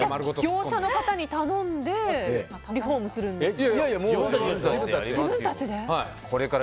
業者の方に頼んでリフォームするんですか？